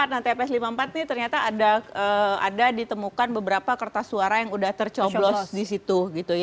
nah tps lima puluh empat ini ternyata ada ditemukan beberapa kertas suara yang udah tercoblos disitu gitu ya